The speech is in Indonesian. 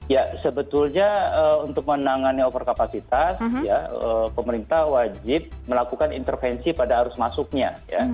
ya sebetulnya untuk menangani over kapasitas pemerintah wajib melakukan intervensi pada arus masuknya